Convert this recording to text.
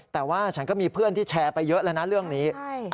แต่ว่าฉันก็มีเพื่อนที่แชร์ไปเยอะแล้วนะเรื่องนี้